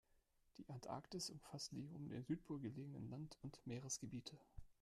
Die Antarktis umfasst die um den Südpol gelegenen Land- und Meeresgebiete.